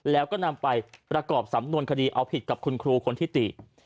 แล้วก็นำไปประกอบสำนวนคดีเอาผิดกับคุณครูคนที่ตี